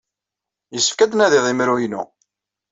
Yessefk ad d-nadiɣ imru-inu.